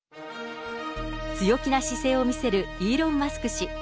強気な姿勢を見せるイーロン・マスク氏。